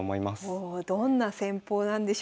おおどんな戦法なんでしょうか。